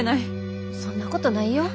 そんなことないよ。